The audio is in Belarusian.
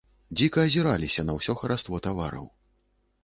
Дзіка азіраліся на ўсё хараство тавараў.